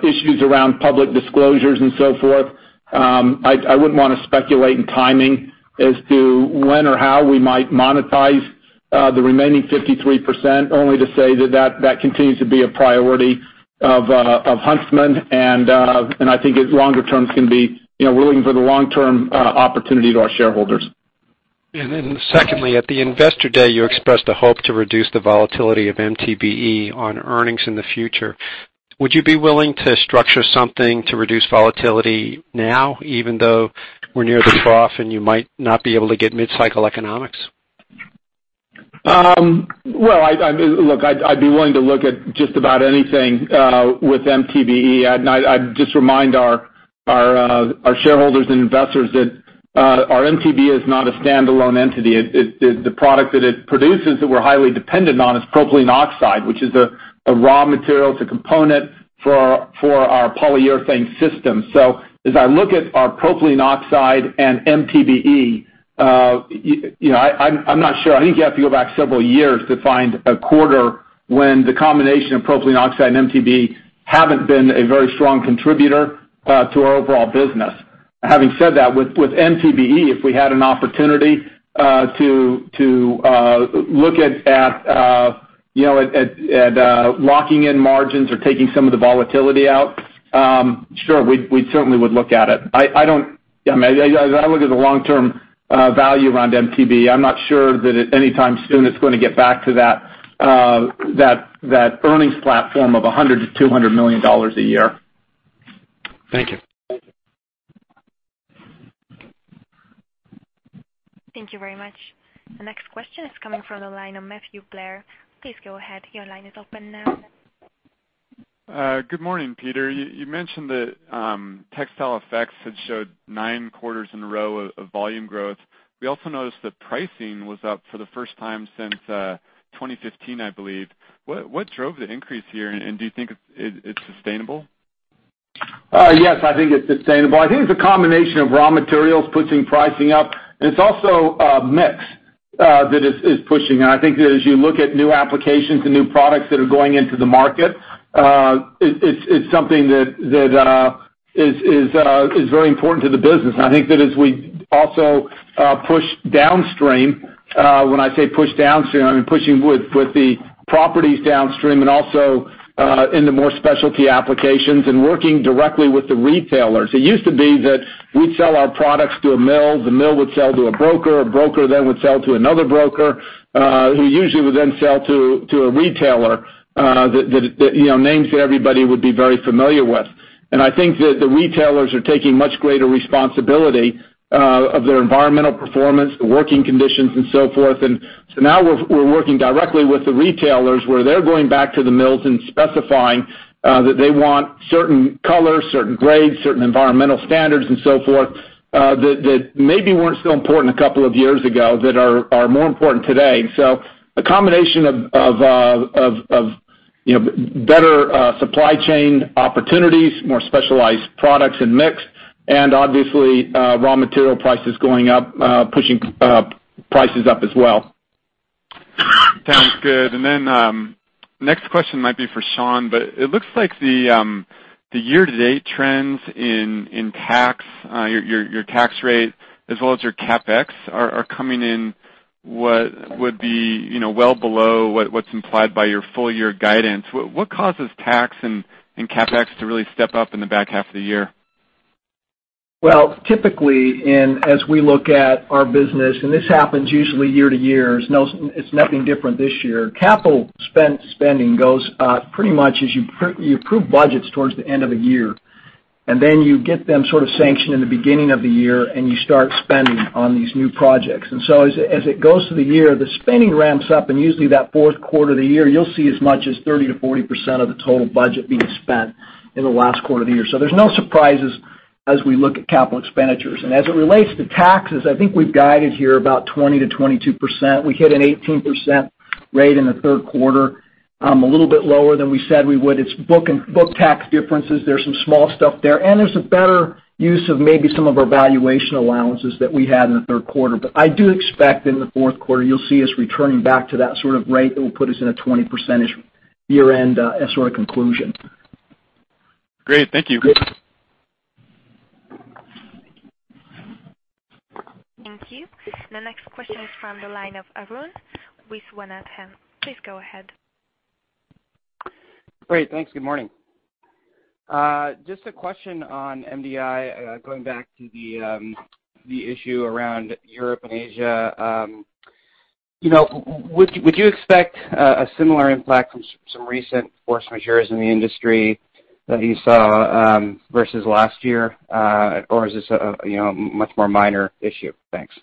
issues around public disclosures and so forth, I wouldn't want to speculate on timing as to when or how we might monetize the remaining 53%, only to say that continues to be a priority of Huntsman. I think longer term, it's going to be willing for the long-term opportunity to our shareholders. Secondly, at the Investor Day, you expressed a hope to reduce the volatility of MTBE on earnings in the future. Would you be willing to structure something to reduce volatility now, even though we're near the trough, and you might not be able to get mid-cycle economics? Well, look, I'd be willing to look at just about anything with MTBE. I'd just remind our shareholders and investors that our MTBE is not a standalone entity. The product that it produces that we're highly dependent on is propylene oxide, which is a raw material. It's a component for our polyurethane system. As I look at our propylene oxide and MTBE, I'm not sure. I think you have to go back several years to find a quarter when the combination of propylene oxide and MTBE haven't been a very strong contributor to our overall business. Having said that, with MTBE, if we had an opportunity to look at locking in margins or taking some of the volatility out, sure, we certainly would look at it. As I look at the long-term value around MTBE, I'm not sure that anytime soon it's going to get back to that earnings platform of $100 million to $200 million a year. Thank you. Thank you very much. The next question is coming from the line of Matthew Blair. Please go ahead. Your line is open now. Good morning, Peter. You mentioned that Textile Effects had showed nine quarters in a row of volume growth. We also noticed that pricing was up for the first time since 2015, I believe. What drove the increase here, and do you think it's sustainable? Yes, I think it's sustainable. I think it's a combination of raw materials pushing pricing up, and it's also a mix that is pushing. I think that as you look at new applications and new products that are going into the market, it's something that is very important to the business. I think that as we also push downstream, when I say push downstream, I mean pushing with the properties downstream and also into more specialty applications and working directly with the retailers. It used to be that we'd sell our products to a mill, the mill would sell to a broker, a broker then would sell to another broker, who usually would then sell to a retailer, names that everybody would be very familiar with. I think that the retailers are taking much greater responsibility of their environmental performance, the working conditions and so forth. Now we're working directly with the retailers where they're going back to the mills and specifying that they want certain colors, certain grades, certain environmental standards and so forth, that maybe weren't so important a couple of years ago that are more important today. A combination of better supply chain opportunities, more specialized products and mix, and obviously, raw material prices going up, pushing prices up as well. Sounds good. Next question might be for Sean. It looks like the year-to-date trends in tax, your tax rate as well as your CapEx are coming in what would be well below what's implied by your full-year guidance. What causes tax and CapEx to really step up in the back half of the year? Typically, as we look at our business, this happens usually year to year, it's nothing different this year. Capital spending goes pretty much as you approve budgets towards the end of the year, then you get them sort of sanctioned in the beginning of the year, and you start spending on these new projects. As it goes through the year, the spending ramps up, and usually that fourth quarter of the year, you'll see as much as 30%-40% of the total budget being spent in the last quarter of the year. There's no surprises as we look at capital expenditures. As it relates to taxes, I think we've guided here about 20%-22%. We hit an 18%. -rate in the third quarter, a little bit lower than we said we would. It's book-tax differences. There's some small stuff there's a better use of maybe some of our valuation allowances that we had in the third quarter. I do expect in the fourth quarter, you'll see us returning back to that sort of rate that will put us in a 20% year-end sort of conclusion. Great. Thank you. Thank you. The next question is from the line of Arun Viswanathan. Please go ahead. Great. Thanks. Good morning. Just a question on MDI, going back to the issue around Europe and Asia. Would you expect a similar impact from some recent force majeures in the industry that you saw, versus last year? Or is this a much more minor issue? Thanks.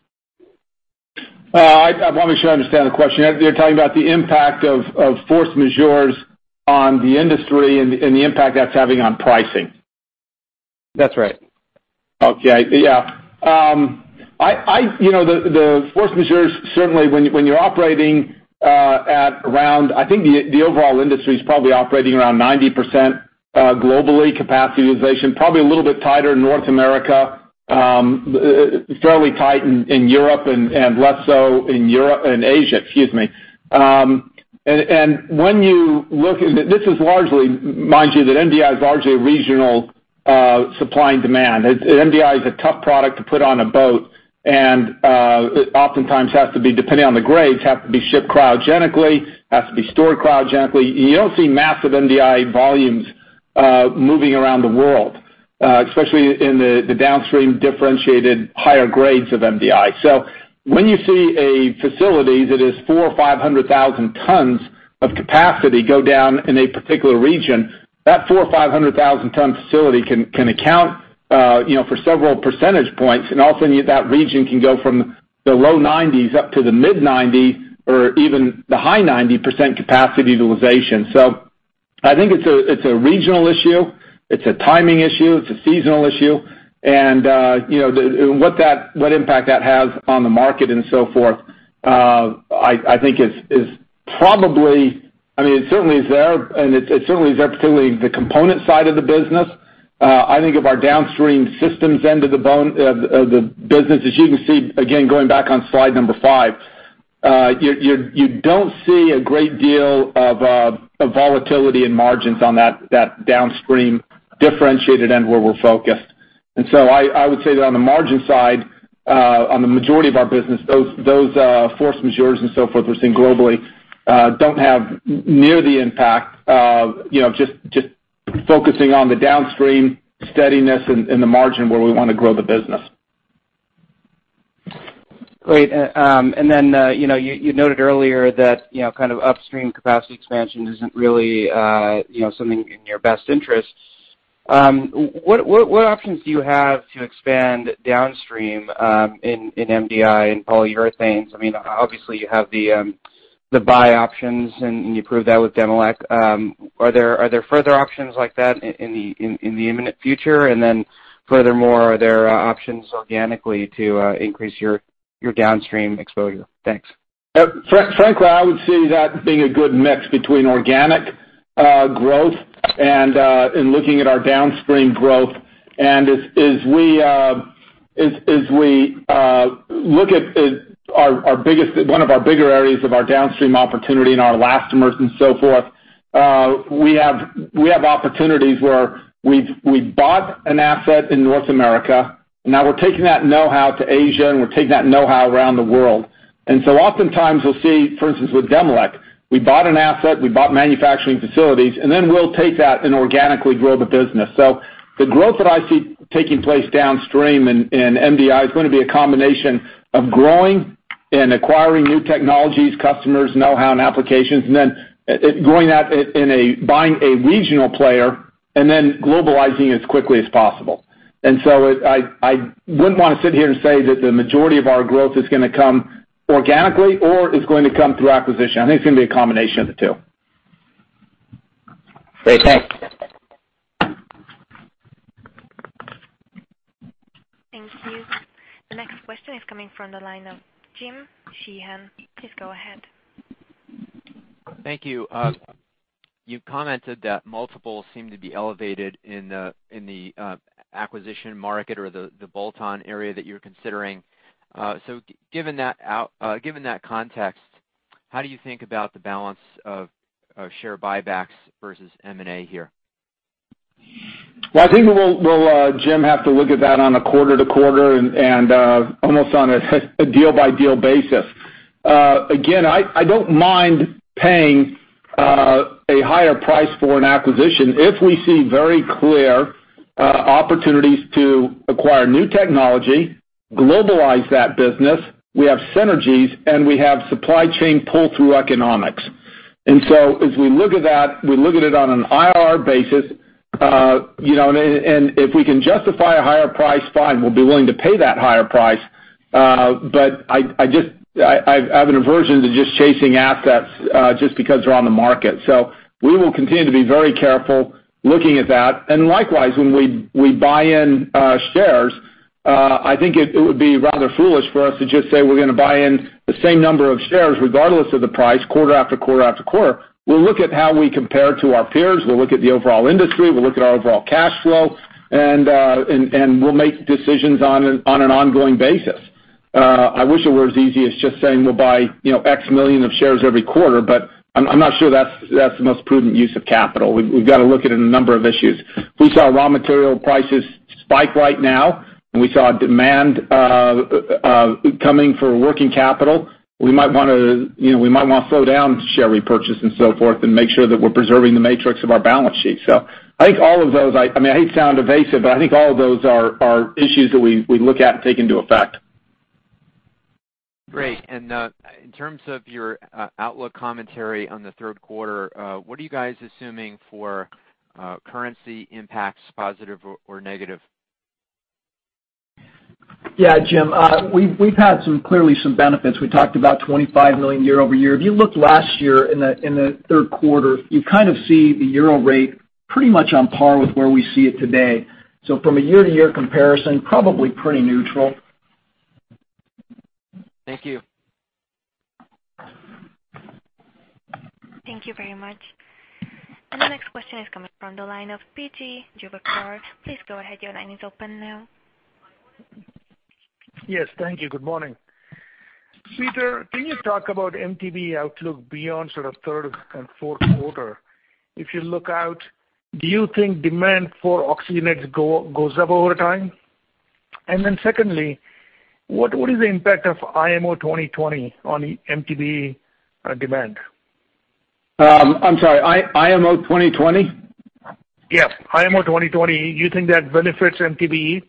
I want to make sure I understand the question. You're talking about the impact of force majeures on the industry and the impact that's having on pricing. That's right. Okay. Yeah. The force majeures, certainly when you're operating at around, I think the overall industry is probably operating around 90% globally capacity utilization, probably a little bit tighter in North America, fairly tight in Europe and less so in Asia, excuse me. This is largely, mind you, that MDI is largely a regional supply and demand. MDI is a tough product to put on a boat, and oftentimes has to be, depending on the grades, have to be shipped cryogenically, has to be stored cryogenically. You don't see massive MDI volumes moving around the world, especially in the downstream differentiated higher grades of MDI. So when you see a facility that is four or 500,000 tons of capacity go down in a particular region, that four or 500,000 ton facility can account for several percentage points. Also that region can go from the low 90s up to the mid 90s or even the high 90% capacity utilization. I think it's a regional issue. It's a timing issue. It's a seasonal issue. What impact that has on the market and so forth, I think is probably. It certainly is there, and it certainly is there particularly the component side of the business. I think of our downstream systems end of the business, as you can see, again, going back on slide five, you don't see a great deal of volatility in margins on that downstream differentiated end where we're focused. I would say that on the margin side, on the majority of our business, those force majeures and so forth we're seeing globally don't have near the impact of just focusing on the downstream steadiness in the margin where we want to grow the business. Great. Then, you noted earlier that kind of upstream capacity expansion isn't really something in your best interest. What options do you have to expand downstream in MDI and polyurethanes? I mean, obviously you have the buy options, and you proved that with Demilec. Are there further options like that in the imminent future? Furthermore, are there options organically to increase your downstream exposure? Thanks. Frankly, I would see that being a good mix between organic growth and looking at our downstream growth. As we look at one of our bigger areas of our downstream opportunity in our elastomers and so forth, we have opportunities where we bought an asset in North America, now we're taking that know-how to Asia, we're taking that know-how around the world. Oftentimes we'll see, for instance, with Demilec, we bought an asset, we bought manufacturing facilities, then we'll take that and organically grow the business. The growth that I see taking place downstream in MDI is going to be a combination of growing and acquiring new technologies, customers, know-how, and applications, then growing that in a buying a regional player then globalizing as quickly as possible. I wouldn't want to sit here and say that the majority of our growth is going to come organically or is going to come through acquisition. I think it's going to be a combination of the two. Great. Thanks. Thank you. The next question is coming from the line of Jim Sheehan. Please go ahead. Thank you. You commented that multiples seem to be elevated in the acquisition market or the bolt-on area that you're considering. Given that context, how do you think about the balance of share buybacks versus M&A here? Well, I think we'll, Jim, have to look at that on a quarter-to-quarter and almost on a deal-by-deal basis. I don't mind paying a higher price for an acquisition if we see very clear opportunities to acquire new technology, globalize that business, we have synergies, and we have supply chain pull-through economics. As we look at that, we look at it on an IRR basis. If we can justify a higher price, fine, we'll be willing to pay that higher price. I have an aversion to just chasing assets just because they're on the market. We will continue to be very careful looking at that. Likewise, when we buy in shares, I think it would be rather foolish for us to just say we're going to buy in the same number of shares regardless of the price quarter after quarter after quarter. We'll look at how we compare to our peers, we'll look at the overall industry, we'll look at our overall cash flow, and we'll make decisions on an ongoing basis. I wish it were as easy as just saying we'll buy X million of shares every quarter, I'm not sure that's the most prudent use of capital. We've got to look at a number of issues. We saw raw material prices spike right now, and we saw demand coming for working capital. We might want to slow down share repurchase and so forth and make sure that we're preserving the metrics of our balance sheet. I hate to sound evasive, I think all of those are issues that we look at and take into effect. Great. In terms of your outlook commentary on the third quarter, what are you guys assuming for currency impacts, positive or negative? Yeah, Jim. We've had clearly some benefits. We talked about $25 million year-over-year. If you looked last year in the third quarter, you kind of see the EUR rate pretty much on par with where we see it today. From a year-to-year comparison, probably pretty neutral. Thank you. Thank you very much. The next question is coming from the line of P.J. Juvekar. Please go ahead, your line is open now. Yes. Thank you. Good morning. Peter, can you talk about MTBE outlook beyond sort of third and fourth quarter? If you look out, do you think demand for oxygenates goes up over time? Then secondly, what is the impact of IMO 2020 on MTBE demand? I'm sorry, IMO 2020? Yes, IMO 2020. Do you think that benefits MTBE?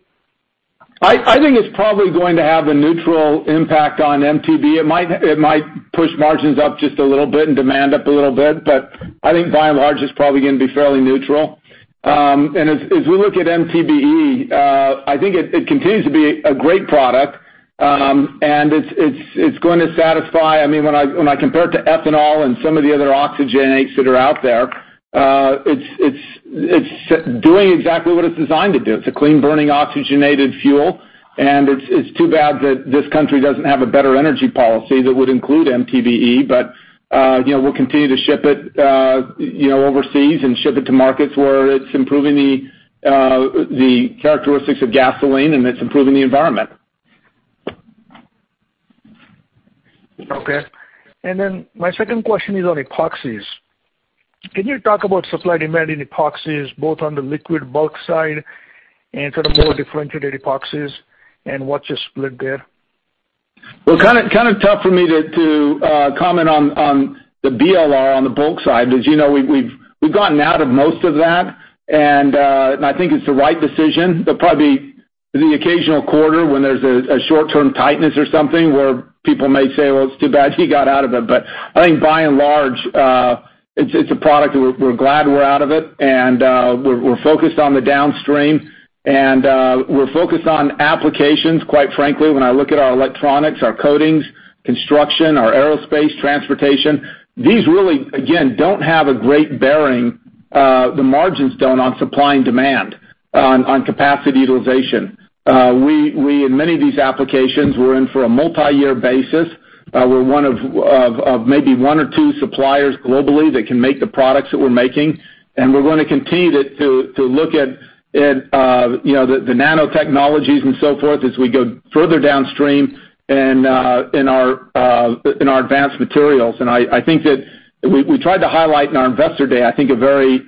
I think it's probably going to have a neutral impact on MTBE. It might push margins up just a little bit and demand up a little bit, but I think by and large, it's probably going to be fairly neutral. As we look at MTBE, I think it continues to be a great product, and it's going to satisfy When I compare it to ethanol and some of the other oxygenates that are out there, it's doing exactly what it's designed to do. It's a clean-burning oxygenated fuel, and it's too bad that this country doesn't have a better energy policy that would include MTBE. We'll continue to ship it overseas and ship it to markets where it's improving the characteristics of gasoline, and it's improving the environment. Okay. Then my second question is on epoxies. Can you talk about supply, demand in epoxies, both on the liquid bulk side and sort of more differentiated epoxies and what's your split there? Kind of tough for me to comment on the BER on the bulk side. As you know, we've gotten out of most of that, and I think it's the right decision. There'll probably be the occasional quarter when there's a short-term tightness or something where people may say, "Well, it's too bad you got out of it." But I think by and large, it's a product that we're glad we're out of it. We're focused on the downstream, and we're focused on applications. Quite frankly, when I look at our electronics, our coatings, construction, our aerospace, transportation, these really, again, don't have a great bearing, the margins don't, on supply and demand on capacity utilization. In many of these applications, we're in for a multi-year basis. We're one of maybe one or two suppliers globally that can make the products that we're making, and we're going to continue to look at the nanotechnologies and so forth as we go further downstream in our Advanced Materials. I think that we tried to highlight in our investor day, I think a very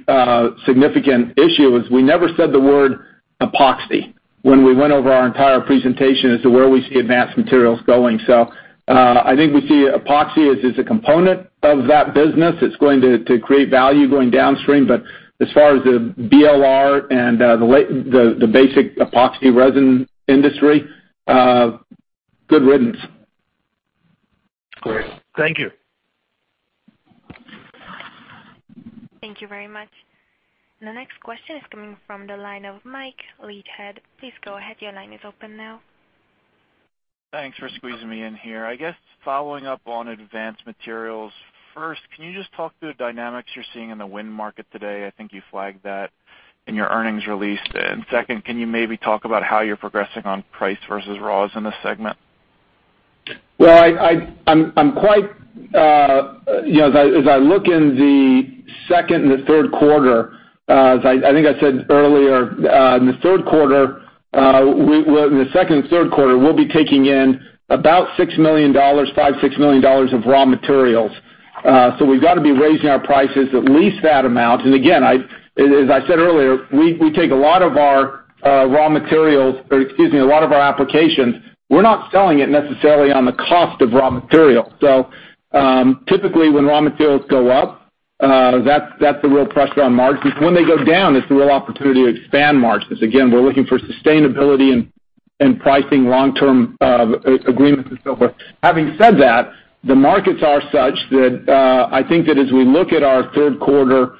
significant issue is we never said the word epoxy when we went over our entire presentation as to where we see Advanced Materials going. I think we see epoxy as a component of that business. It's going to create value going downstream. But as far as the BER and the basic epoxy resin industry, good riddance. Great. Thank you. Thank you very much. The next question is coming from the line of Mike Leithead. Please go ahead, your line is open now. Thanks for squeezing me in here. I guess following up on Advanced Materials, first, can you just talk through the dynamics you're seeing in the wind market today? I think you flagged that in your earnings release. Second, can you maybe talk about how you're progressing on price versus raws in this segment? Well, as I look in the second and the third quarter, as I think I said earlier, in the second and third quarter, we'll be taking in about $5 million, $6 million of raw materials. We've got to be raising our prices at least that amount. Again, as I said earlier, we take a lot of our applications. We're not selling it necessarily on the cost of raw material. Typically, when raw materials go up, that's a real pressure on margins. When they go down, it's a real opportunity to expand margins. Again, we're looking for sustainability and pricing long-term agreements and so forth. Having said that, the markets are such that I think that as we look at our third quarter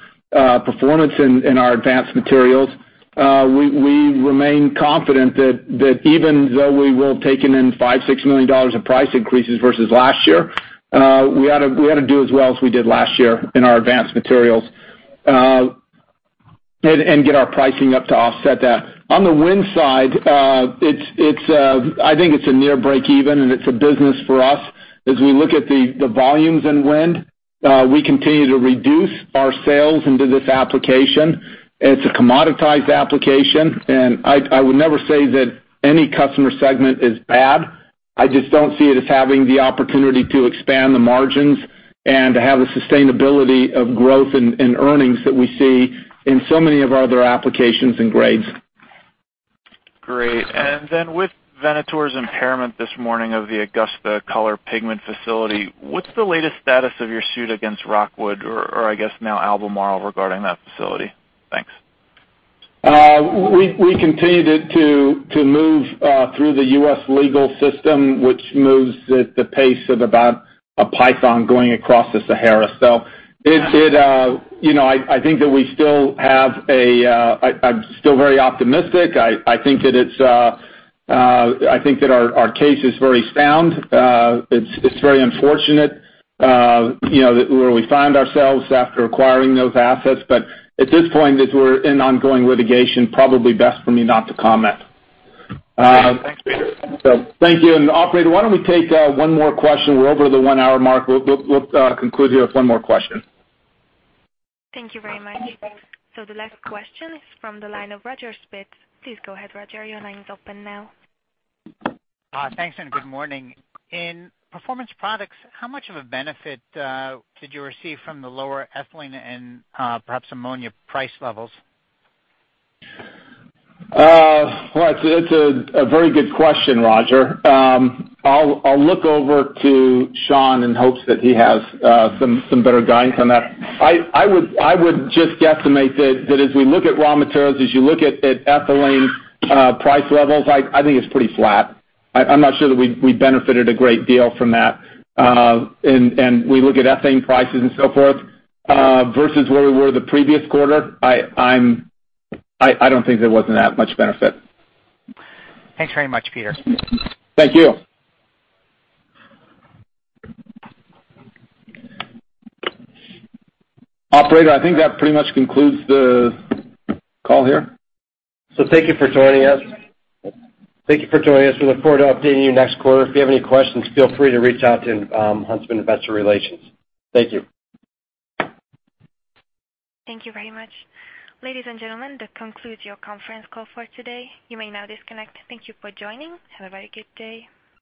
performance in our Advanced Materials, we remain confident that even though we will have taken in $5 million, $6 million of price increases versus last year, we ought to do as well as we did last year in our Advanced Materials, and get our pricing up to offset that. On the wind side, I think it's a near breakeven, it's a business for us. We look at the volumes in wind, we continue to reduce our sales into this application. It's a commoditized application, I would never say that any customer segment is bad. I just don't see it as having the opportunity to expand the margins and to have the sustainability of growth in earnings that we see in so many of our other applications and grades. Great. Then with Venator's impairment this morning of the Augusta Color pigment facility, what's the latest status of your suit against Rockwood, or I guess now Albemarle regarding that facility? Thanks. We continue to move through the U.S. legal system, which moves at the pace of about a python going across the Sahara. I think that I'm still very optimistic. I think that our case is very sound. It's very unfortunate where we find ourselves after acquiring those assets, but at this point, as we're in ongoing litigation, probably best for me not to comment. Great. Thanks, Peter. Thank you. Operator, why don't we take one more question. We're over the one-hour mark. We'll conclude here with one more question. Thank you very much. The last question is from the line of Roger Spitz. Please go ahead, Roger, your line is open now. Thanks, good morning. In Performance Products, how much of a benefit did you receive from the lower ethylene and perhaps ammonia price levels? Well, it's a very good question, Roger. I'll look over to Sean in hopes that he has some better guidance on that. I would just guesstimate that as we look at raw materials, as you look at ethylene price levels, I think it's pretty flat. I'm not sure that we benefited a great deal from that. We look at ethane prices and so forth versus where we were the previous quarter, I don't think there wasn't that much benefit. Thanks very much, Peter. Thank you. Operator, I think that pretty much concludes the call here. Thank you for joining us. We look forward to updating you next quarter. If you have any questions, feel free to reach out to Huntsman Investor Relations. Thank you. Thank you very much. Ladies and gentlemen, that concludes your conference call for today. You may now disconnect. Thank you for joining. Have a very good day.